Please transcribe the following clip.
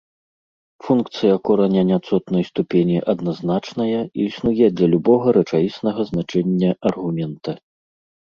Функцыя кораня няцотнай ступені адназначная і існуе для любога рэчаіснага значэння аргумента.